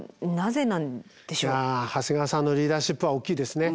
長谷川さんのリーダーシップは大きいですね。